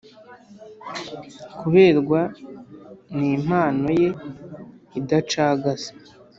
kuberwa nimpanoye idacagase